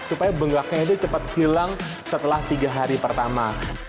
supaya benggaknya itu cepat hilang setelah tiga hari pertama